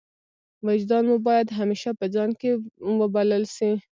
وجدان مو باید همېشه په ځان کښي وبلل سي.